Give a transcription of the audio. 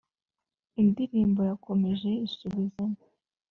Indirimbo yakomeje yisubizamo